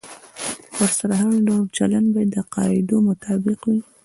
ورسره هر ډول چلند باید د قاعدو مطابق وي.